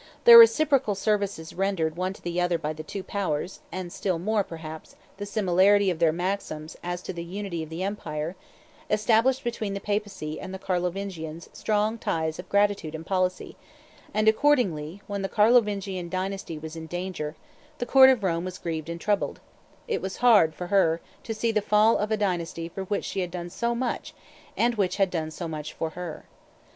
The reciprocal services rendered one to the other by the two powers, and still more, perhaps, the similarity of their maxims as to the unity of the empire, established between the Papacy and the Carlovingians strong ties of gratitude and policy; and, accordingly, when the Carlovingian dynasty was in danger, the court of Rome was grieved and troubled; it was hard for her to see the fall of a dynasty for which she had done so much and which had done so much for her.